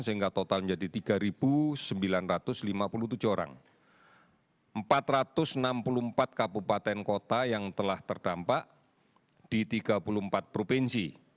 sehingga total menjadi tiga sembilan ratus lima puluh tujuh orang empat ratus enam puluh empat kabupaten kota yang telah terdampak di tiga puluh empat provinsi